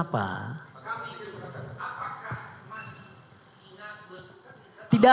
apakah masih ingat berdekatan